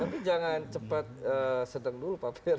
tapi jangan cepat sedang dulu pak firl